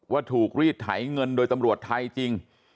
ว่าถูกรีดไถเงินโดยตำรวจไทยจริง